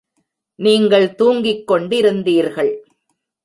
நீங்கள் தூங்கிக் கொண்டிருந்தீர்கள்.